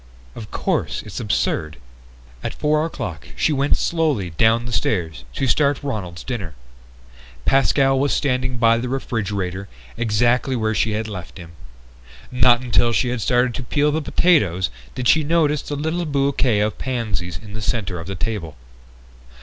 "Of course, it's absurd...." At four o'clock she went slowly down the stairs to start Ronald's dinner. Pascal was standing by the refrigerator, exactly where she had left him. Not until she had started to peel the potatoes did she notice the little bouquet of pansies in the center of the table.